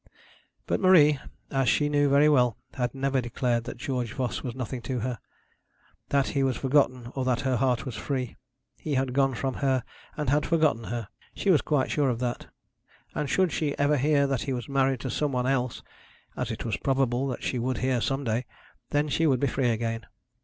But Marie, as she knew very well, had never declared that George Voss was nothing to her, that he was forgotten, or that her heart was free. He had gone from her and had forgotten her. She was quite sure of that. And should she ever hear that he was married to some one else, as it was probable that she would hear some day, then she would be free again.